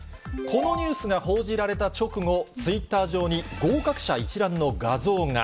このニュースが報じられた直後、ツイッター上に合格者一覧の画像が。